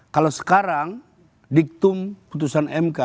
kalau sekarang diktum putusan mk